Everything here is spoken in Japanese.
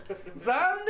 残念！